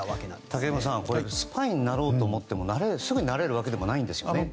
武隈さんスパイになろうと思ってもすぐになれるわけでもないんですよね。